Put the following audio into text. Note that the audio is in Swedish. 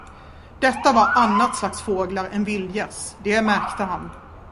Detta var annat slags fåglar än vildgäss, det märkte han.